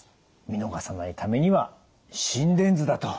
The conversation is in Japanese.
見逃さないためには心電図だと。